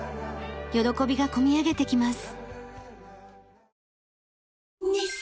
喜びが込み上げてきます。